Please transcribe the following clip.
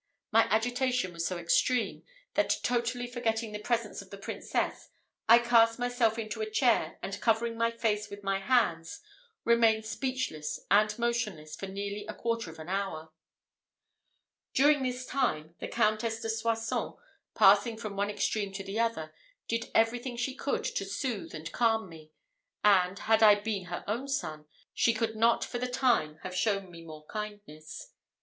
My agitation was so extreme, that totally forgetting the presence of the Princess, I cast myself into a chair, and covering my face with my hands, remained speechless and motionless for nearly a quarter of an hour. During this time, the Countess de Soissons, passing from one extreme to the other, did everything she could to soothe and calm me; and, had I been her own son, she could not for the time have shown me more kindness.